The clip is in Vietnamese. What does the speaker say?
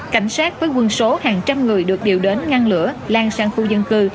cảnh sát với quân số hàng trăm người được điều đến ngăn lửa lan sang khu dân cư